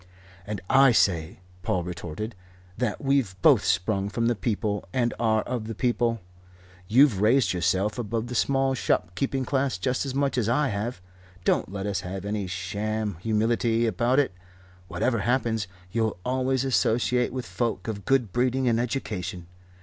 "And I say," Paul retorted, "that we've both sprung from the people, and are of the people. You've raised yourself above the small shop keeping class just as much as I have. Don't let us have any sham humility about it. Whatever happens you'll always associate with folk of good breeding and education.